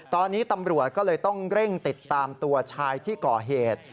ตอนนี้ตำรวจก็เลยต้องเร่งติดตามตัวชายที่ก่อเหตุ